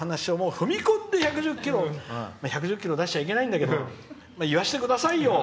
踏み込んで１１０キロまあ、１１０キロ出しちゃいけないんだけど言わせてくださいよ！